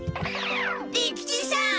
利吉さん！